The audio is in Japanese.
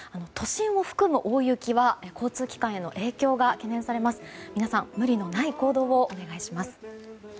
都心を含む大雪は交通機関への影響が懸念されます。